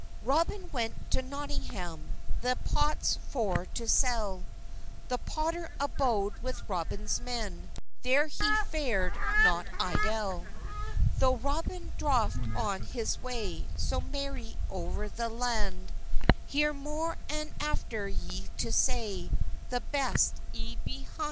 Robyn went to Notynggam, Thes pottes for to sell; The potter abode with Robens men, Ther he fered not eylle. Tho Roben droffe on hes wey, So merey ower the londe: Heres mor and affter ys to saye, The best ys beheynde.